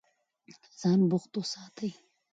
ځان بوخت وساتئ.